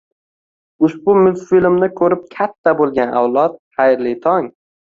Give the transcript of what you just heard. Ushbu multfilmni ko'rib katta bo'lgan avlod, xayrli tong!